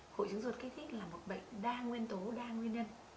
hội chứng ruột kích thích là một bệnh đa nguyên tố đa nguyên nhân